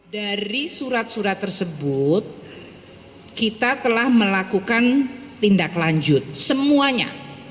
dari surat surat tersebut kita telah melakukan tindak lanjut semuanya